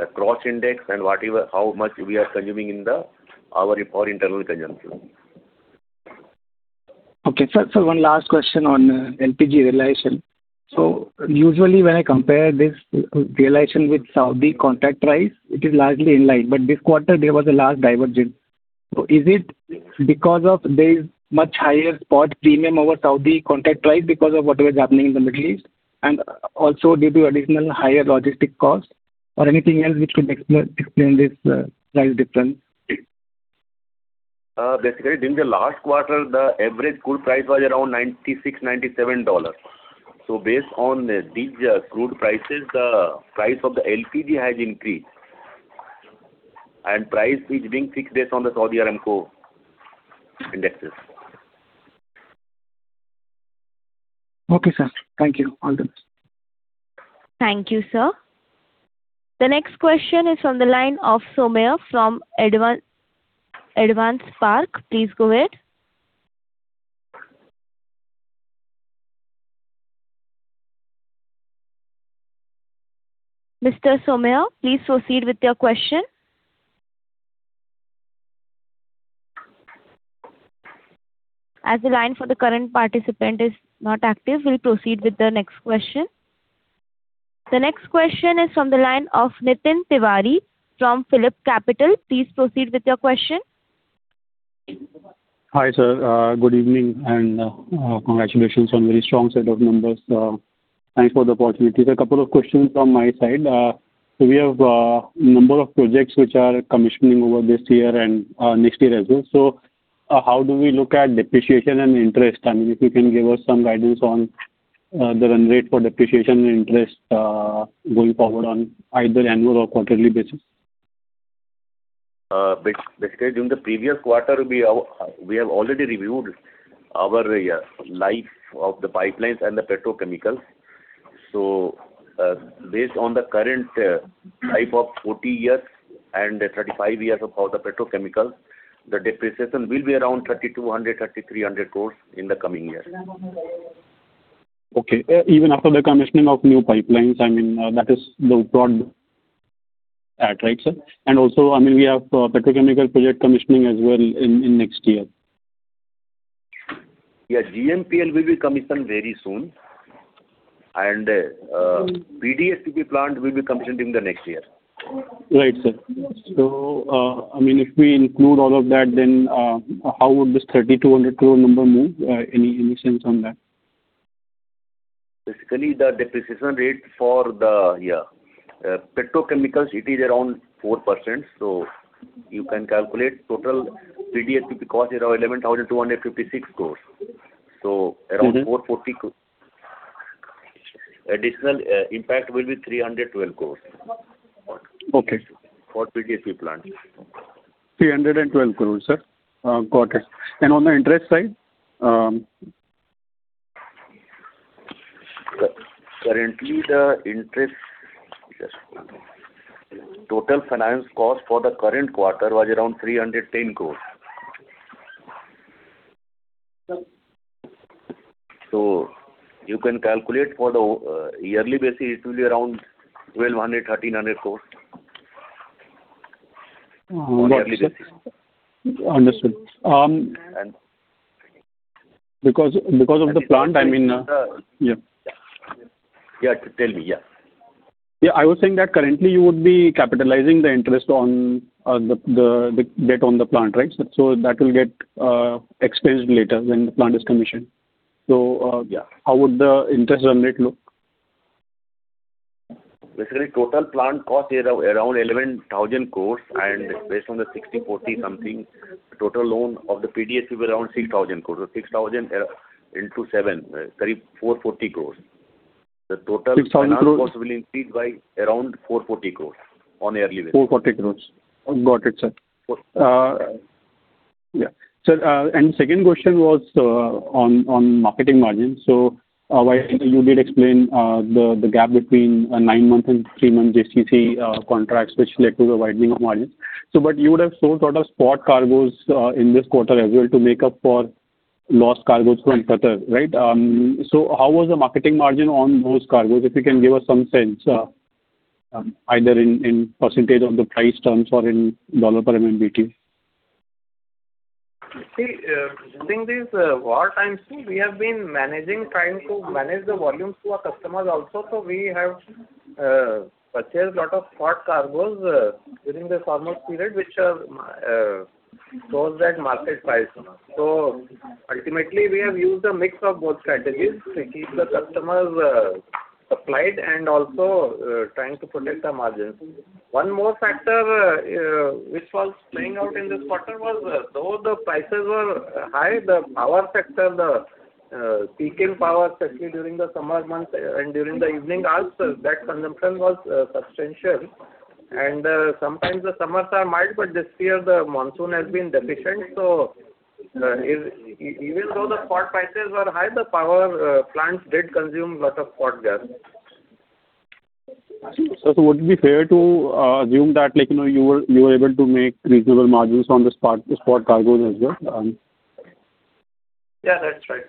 a cross index, and how much we are consuming in our internal consumption. Okay. Sir, one last question on LPG realization. Usually when I compare this realization with Saudi contract price, it is largely in line, but this quarter there was a large divergence. Is it because of the much higher spot premium over Saudi contract price because of what was happening in the Middle East, and also due to additional higher logistic costs, or anything else which could explain this price difference? During the last quarter, the average crude price was around $96, $97. Based on these crude prices, the price of the LPG has increased, and price is being fixed based on the Saudi Aramco indexes. Okay, sir. Thank you. All the best. Thank you, sir. The next question is on the line of Somaiah from Avendus Spark. Please go ahead. Mr. Somaiah, please proceed with your question. As the line for the current participant is not active, we'll proceed with the next question. The next question is from the line of Nitin Tiwari from PhillipCapital. Please proceed with your question. Hi, sir. Good evening, congratulations on very strong set of numbers. Thanks for the opportunity. A couple of questions from my side. We have a number of projects which are commissioning over this year and next year as well. How do we look at depreciation and interest? I mean, if you can give us some guidance on the run rate for depreciation interest, going forward on either annual or quarterly basis. Basically, during the previous quarter, we have already reviewed our life of the pipelines and the petrochemicals. Based on the current life of 40 years and 35 years of all the petrochemicals, the depreciation will be around 3,200 crore, 3,300 crore in the coming years. Okay. Even after the commissioning of new pipelines, I mean that is the broad That right, sir. Also, we have petrochemical project commissioning as well in next year. Yeah. GNPL will be commissioned very soon, and PDHPP plant will be commissioned in the next year. Right, sir. If we include all of that, then how would this 3,200 crore number move? Any sense on that? Basically, the depreciation rate for the petrochemicals, it is around 4%. You can calculate total PDHPP cost is around 11,256 crore. Additional impact will be 312 crore. Okay. For PDHPP plant. INR 312 crore, sir. Got it. On the interest side? Currently, Just one moment. Total finance cost for the current quarter was around 310 crore. You can calculate for the yearly basis, it will be around 1,200 crore-1,300 crore. Uh- On yearly basis. Understood. And- Because of the plant, I mean. Yeah. Tell me, yeah. Yeah, I was saying that currently you would be capitalizing the interest on the debt on the plant, right? That will get expensed later when the plant is commissioned. Yeah. How would the interest run rate look? Basically, total plant cost is around 11,000 crore. Based on the 60/40 something, total loan of the PDHPP is around 6,000 crore. 6,000 crore into 7 crore, sorry, 440 crore. INR 6,000 crore. Finance cost will increase by around 440 crore on a yearly basis. 440 crore. Got it, sir. INR 440 crore. Yeah. Sir, second question was on marketing margins. You did explain the gap between nine-month and three-month JCC contracts, which led to the widening of margins. You would have sold lot of spot cargoes in this quarter as well to make up for lost cargoes from Qatar, right? How was the marketing margin on those cargoes? If you can give us some sense, either in percentage of the price terms or in dollar per MMBtu. See, during these war times too, we have been trying to manage the volumes to our customers also. We have purchased lot of spot cargoes during this foremost period, which are sourced at market price. Ultimately, we have used a mix of both strategies to keep the customers supplied and also trying to protect the margins. One more factor which was playing out in this quarter was, though the prices were high, the power sector, the peaking power, especially during the summer months and during the evening hours, that consumption was substantial. Sometimes the summers are mild, but this year the monsoon has been deficient. Even though the spot prices were high, the power plants did consume lot of spot gas. Would it be fair to assume that you were able to make reasonable margins on the spot cargoes as well? Yeah, that's right.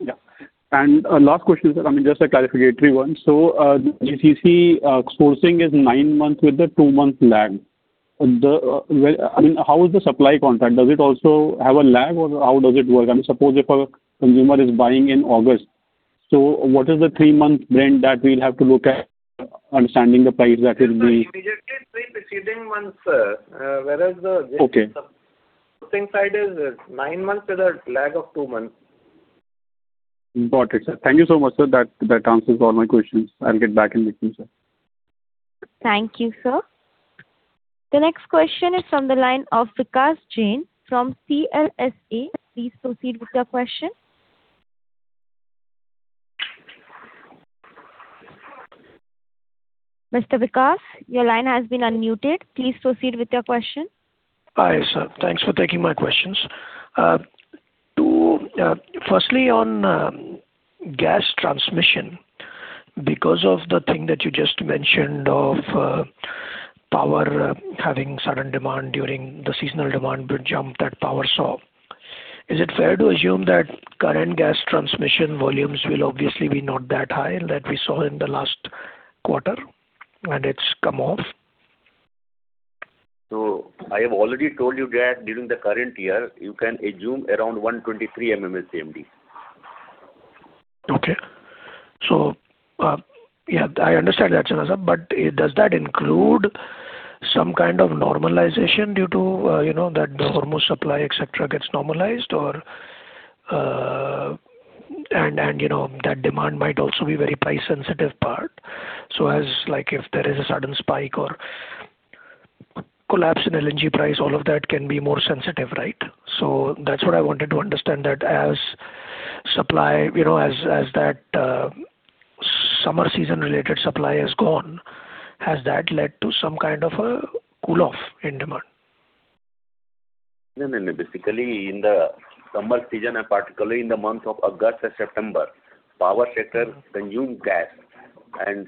Yeah. Last question, sir, just a clarificatory one. JCC sourcing is nine months with a two-month lag. How is the supply contract? Does it also have a lag or how does it work? Suppose if a consumer is buying in August, what is the three-month trend that we'll have to look at understanding the price that will be- Immediately three preceding months, sir. Whereas the- Okay, ...sourcing side is nine months with a lag of two months. Got it, sir. Thank you so much, sir. That answers all my questions. I'll get back in with you, sir. Thank you, sir. The next question is from the line of Vikash Jain from CLSA. Please proceed with your question. Mr. Vikash, your line has been unmuted. Please proceed with your question. Hi, sir. Thanks for taking my questions. Firstly, on gas transmission, because of the thing that you just mentioned of power having sudden demand during the seasonal demand would jump that power saw. Is it fair to assume that current gas transmission volumes will obviously be not that high, that we saw in the last quarter, and it's come off? I have already told you that during the current year, you can assume around 123 MMSCMD. Okay. Yeah, I understand that, Sinha sir, but does that include some kind of normalization due to that the foremost supply, etc., gets normalized or that demand might also be very price sensitive part. As like if there is a sudden spike or collapse in LNG price, all of that can be more sensitive, right? That's what I wanted to understand, that as that summer season related supply has gone, has that led to some kind of a cool off in demand? Basically in the summer season, particularly in the month of August and September, power sector consume gas.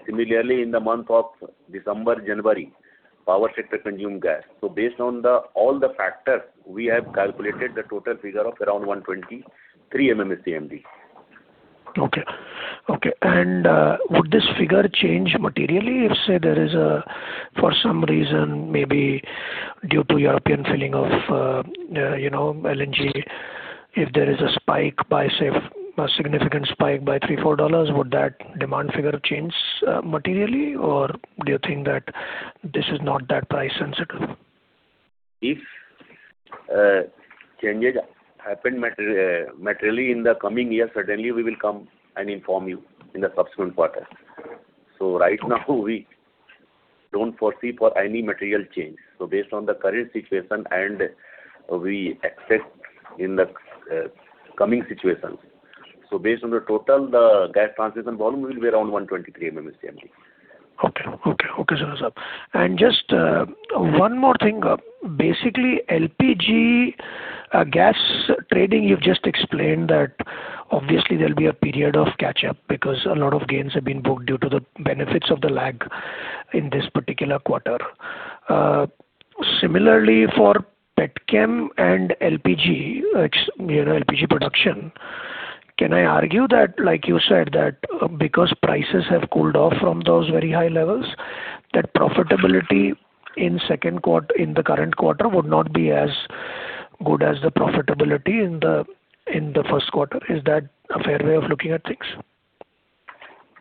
Similarly, in the month of December, January, power sector consume gas. Based on all the factors, we have calculated the total figure of around 123 MMSCMD. Okay. Would this figure change materially if, say, there is a, for some reason, maybe due to European filling of LNG, if there is a significant spike by $3, $4, would that demand figure change materially, or do you think that this is not that price-sensitive? If changes happen materially in the coming year, certainly we will come and inform you in the subsequent quarter. Right now, we don't foresee for any material change. Based on the current situation, and we expect in the coming situations. Based on the total, the gas transmission volume will be around 123 MMSCMD. Okay, Sinha sir. Just one more thing. LPG gas trading, you've just explained that obviously there'll be a period of catch-up because a lot of gains have been booked due to the benefits of the lag in this particular quarter. Similarly, for petchem and LPG production, can I argue that, like you said, that because prices have cooled off from those very high levels, that profitability in the current quarter would not be as good as the profitability in the first quarter? Is that a fair way of looking at things?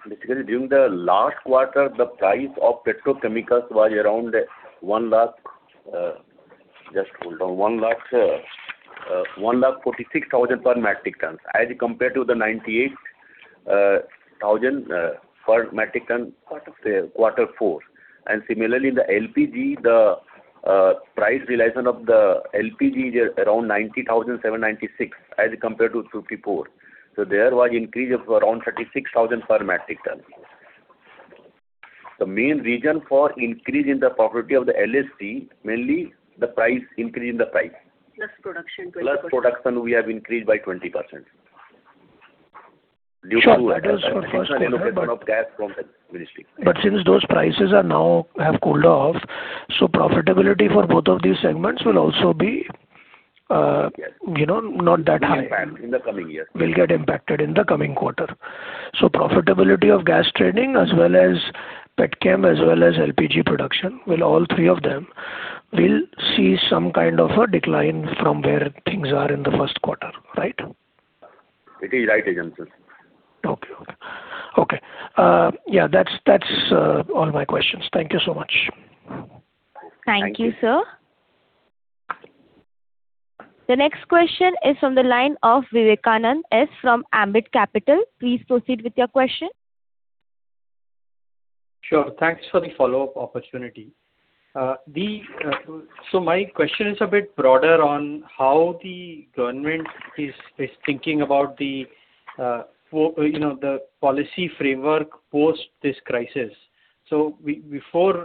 Basically, during the last quarter, the price of petrochemicals was around 146,000 per metric ton as compared to the 98,000 per metric ton. Quarter four. Quarter four. Similarly, the LPG, the price realization of the LPG is around 90,796 as compared to 54. There was increase of around 36,000 per metric ton. The main reason for increase in the profitability of the LHC, mainly increase in the price. Plus production 20%. Production we have increased by 20%. Due to- Sure. That was for first quarter. ...allocation of gas from Ministry. Since those prices now have cooled off, so profitability for both of these segments will also be- Yes. ...not that high. Impact in the coming year. Profitability of gas trading as well as petchem as well as LPG production, will all three of them, will see some kind of a decline from where things are in the first quarter. Right? It is right, again sir. Okay. Yeah, that's all my questions. Thank you so much. Thank you, sir. The next question is from the line of Vivekanand S. from Ambit Capital. Please proceed with your question. Sure. Thanks for the follow-up opportunity. My question is a bit broader on how the government is thinking about the policy framework post this crisis. Before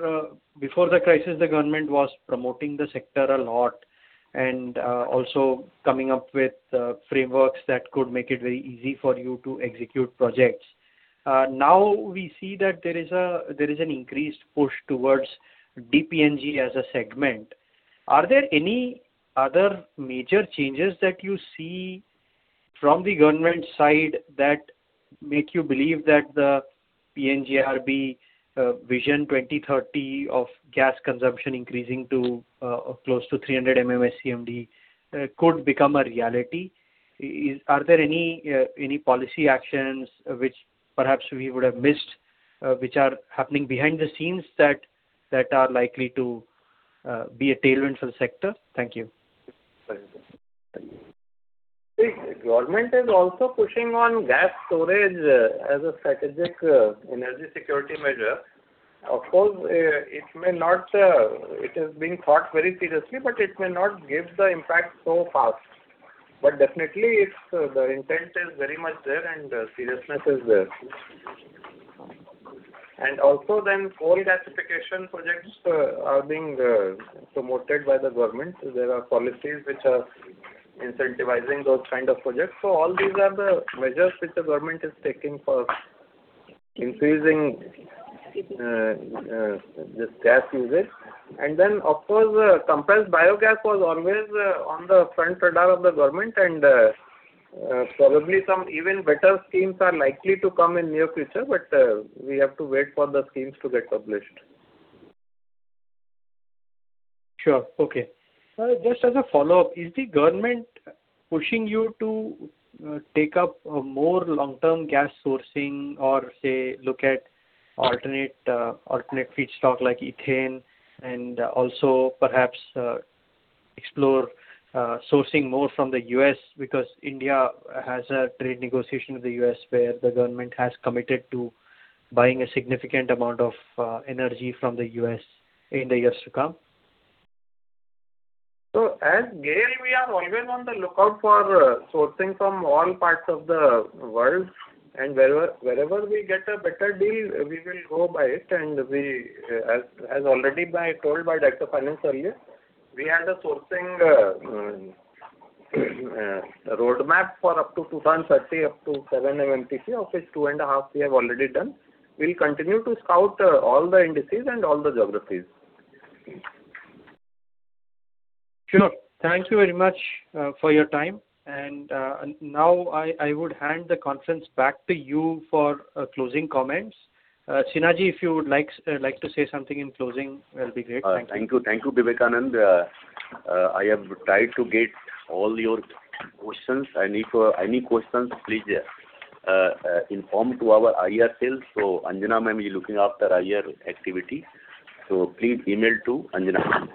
the crisis, the government was promoting the sector a lot and also coming up with frameworks that could make it very easy for you to execute projects. Now we see that there is an increased push towards DPNG as a segment. Are there any other major changes that you see from the government side that make you believe that the PNGRB Vision 2030 of gas consumption increasing to close to 300 MMSCMD could become a reality? Are there any policy actions which perhaps we would have missed, which are happening behind the scenes that are likely to be a tailwind for the sector? Thank you. Thank you. The government is also pushing on gas storage as a strategic energy security measure. Of course, it is being thought very seriously, but it may not give the impact so fast. definitely, the intent is very much there, and seriousness is there. also then coal gasification projects are being promoted by the government. There are policies which are incentivizing those kind of projects. all these are the measures which the government is taking for increasing this gas usage. of course, compressed biogas was always on the front radar of the government, and probably some even better schemes are likely to come in near future, but we have to wait for the schemes to get published. Sure. Okay. Sir, just as a follow-up, is the government pushing you to take up more long-term gas sourcing or, say, look at alternate feedstock like ethane and also perhaps explore sourcing more from the U.S. because India has a trade negotiation with the U.S. where the government has committed to buying a significant amount of energy from the U.S. in the years to come. As GAIL, we are always on the lookout for sourcing from all parts of the world. wherever we get a better deal, we will go by it. as already told by Director Finance earlier, we had a sourcing roadmap for up to 2030, up 7 MMTPA. Of which 2.4 MMTPA we have already done. We'll continue to scout all the indices and all the geographies. Sure. Thank you very much for your time. now I would hand the conference back to you for closing comments. Sinha, if you would like to say something in closing, that'll be great. Thank you. Thank you, Vivekanand. I have tried to get all your questions. Any questions, please inform to our IR sales. Anjana ma'am is looking after IR activity. Please email to Anjana ma'am.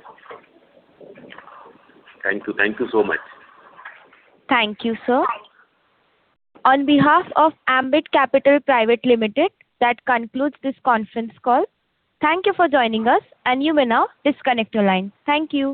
Thank you so much. Thank you, sir. On behalf of Ambit Capital Private Limited, that concludes this conference call. Thank you for joining us. You may now disconnect your line. Thank you.